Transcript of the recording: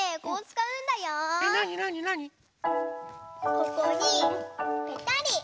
ここにぺたり。